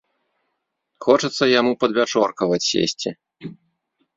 Хочацца яму падвячоркаваць сесці.